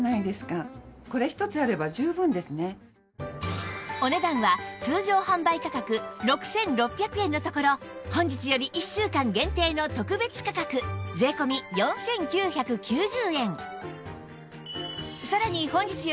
さらにお値段は通常販売価格６６００円のところ本日より１週間限定の特別価格税込４９９０円